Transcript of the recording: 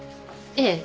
ええ。